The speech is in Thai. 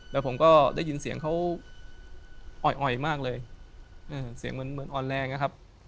แล้วผมก็ได้ยินเสียงเขาอ่อยมากเลยเสียงเหมือนอ่อนแรงนะครับ